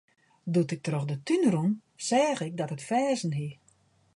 Doe't ik troch de tún rûn, seach ik dat it ferzen hie.